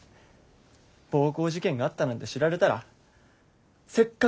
暴行事件があったなんて知られたらせっかく勝ち取った都大会